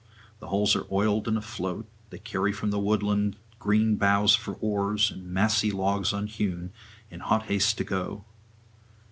The hulls are oiled and afloat; they carry from the woodland green boughs for oars and massy logs unhewn, in hot haste to go.